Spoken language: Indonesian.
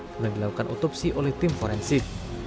sudah dilakukan otopsi oleh tim forensik